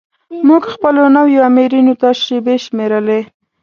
موږ خپلو نویو آمرینو ته شیبې شمیرلې.